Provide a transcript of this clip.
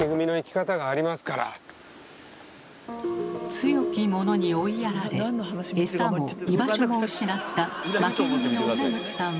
強き者に追いやられエサも居場所も失ったウナグチさん！